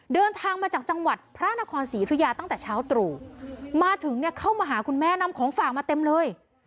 เดินทางมาจากจังหวัดพระนครศรีธุยาตั้งแต่เช้าตรู่มาถึงเนี่ยเข้ามาหาคุณแม่นำของฝากมาเต็มเลย